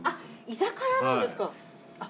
居酒屋なんですか。